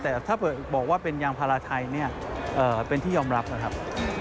แต่ถ้าบอกว่าเป็นยางพาราไทยเนี่ยเป็นที่ยอมรับนะครับ